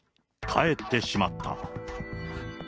帰ってしまった。